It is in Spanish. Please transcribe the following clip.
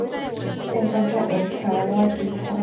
Se encuentra en Sarawak y Sabah.